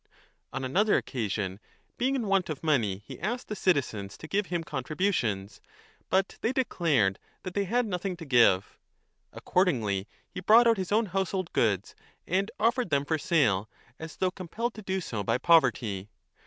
On another occasion, being in want of money, he asked i349 b the citizens to give him contributions ; but they declared that they had nothing to give. Accordingly he brought out his own household goods and offered them for sale, as though compelled to do so by poverty.